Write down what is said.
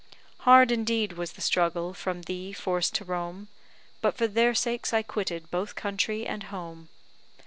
Hard indeed was the struggle, from thee forced to roam; But for their sakes I quitted both country and home.